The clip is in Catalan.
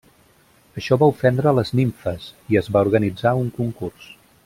Això va ofendre les nimfes, i es va organitzar un concurs.